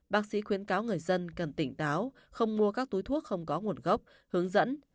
bác sĩ khuyến cáo người dân cần tỉnh táo không mua các túi thuốc không có nguồn gốc hướng dẫn